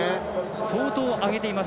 相当上げています。